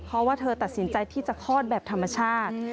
เพราะว่าเธอตัดสินใจที่จะคลอดแบบธรรมชาติ